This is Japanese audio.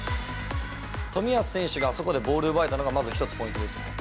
冨安選手があそこでボールを奪えたのがまず１つポイントです。